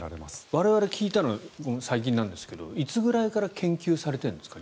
我々、聞いたのは最近なんですがいつぐらいから研究されているんですか？